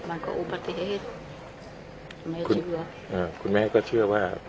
อ่าคุณแม่ก็เชื่อว่า